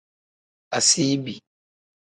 Asiibi.